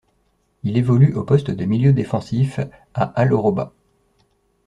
Il évolue au poste de milieu défensif à Al-Orobah.